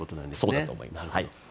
そうだと思います。